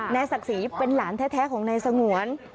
นายศักดิ์ศรีเป็นหลานแท้ของนายสงวน